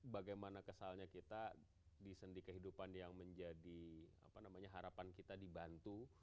bagaimana kesalnya kita di sendi kehidupan yang menjadi harapan kita dibantu